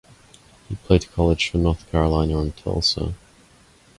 He played college football for North Carolina and Tulsa.